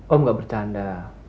om gak bercanda